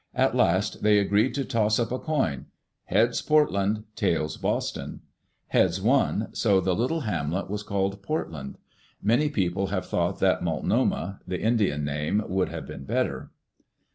At last they agreed to toss up a coin — "Heads, Portland; tails, Boston." Heads won, so the little hamlet was called Portland. Many people have thought that Multnomah, the Indian name, would have been better.